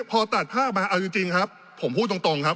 พอตัดภาพมาเอาจริงครับผมพูดตรงครับ